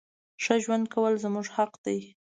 ښه ژوند کول زمونږ حق ده.